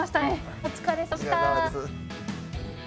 お疲れさまでした。